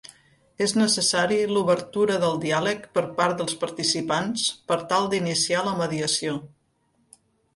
És necessari l'obertura del diàleg per part dels participants per tal d'iniciar la mediació.